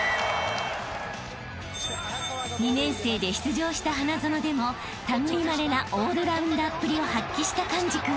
［２年生で出場した花園でも類いまれなオールラウンダーっぷりを発揮した寛治君］